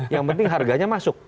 yang penting harganya masuk